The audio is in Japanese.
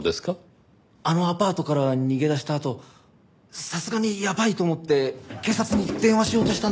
あのアパートから逃げ出したあとさすがにやばいと思って警察に電話しようとしたんです。